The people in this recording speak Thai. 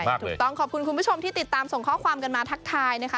ถูกต้องขอบคุณคุณผู้ชมที่ติดตามส่งข้อความกันมาทักทายนะคะ